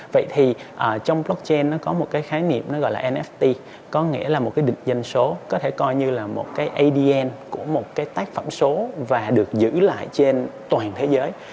vậy thì trong blockchain nó có một cái khái niệm nó gọi là nst có nghĩa là một cái định danh số có thể coi như là một cái adn của một cái tác phẩm số và được giữ lại trên toàn thế giới